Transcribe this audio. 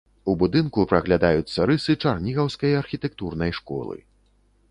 У будынку праглядаюцца рысы чарнігаўскай архітэктурнай школы.